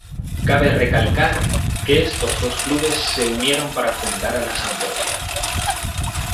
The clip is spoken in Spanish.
Cabe recalcar que estos dos clubes se unieron para fundar a la Sampdoria.